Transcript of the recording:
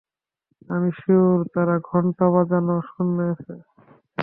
আমি শিওর তারা ঘন্টা বাজানো শুনেছে।